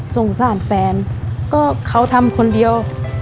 สงสารแฟนก็เขาทำคนเดียว